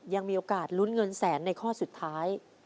ยังมีโอกาสลุ้นเงินแสนในข้อสุดท้าย